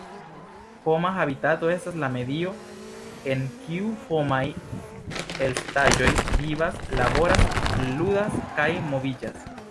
Homa habitato estas la medio en kiu homaj estaĵoj vivas, laboras, ludas kaj moviĝas.